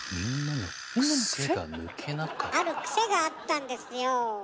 あるクセがあったんですよ。